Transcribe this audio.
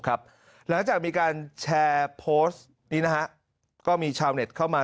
หลังจากมีการแชร์โพสต์นี้นะฮะก็มีชาวเน็ตเข้ามา